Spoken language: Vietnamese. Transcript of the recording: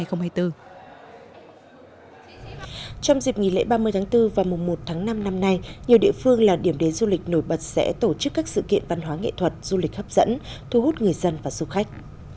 trong dịp nghỉ lễ ba mươi tháng bốn và mùa một tháng năm năm nay nhiều địa phương là điểm đến du lịch nổi bật sẽ tổ chức các sự kiện văn hóa nghệ thuật du lịch hấp dẫn thu hút người dân và du khách